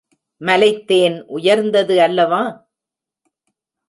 மலைத் தேன் உயர்ந்தது அல்லவா?